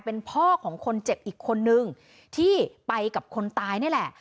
เป็นพ่อของคนเจ็บอีกคนนึงที่ไปกับคนตายนี่แหละ